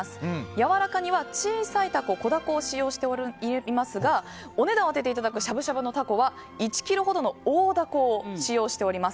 やわらか煮は小さいタコ、小ダコを使用していますがお値段を当てていただくしゃぶしゃぶのタコは１ｋｇほどの大ダコを使用しております。